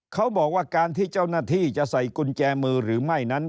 เขาบอกว่าการที่เจ้าหน้าที่จะใส่กุญแจมือหรือไม่นั้น